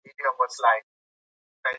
ساه اخیستل د هغې لپاره د ژوند نښه وه.